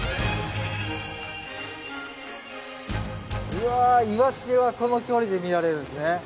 うわイワシはこの距離で見られるんですね。